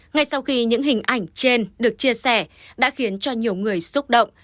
ngay sau khi những hình ảnh trên được chia sẻ đã khiến cho nhiều người xúc động